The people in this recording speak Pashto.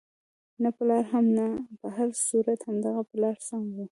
نه پلار هم نه، په هر صورت همدغه پلار سم وو.